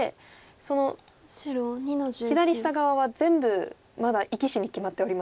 その左下側は全部まだ生き死に決まっておりません。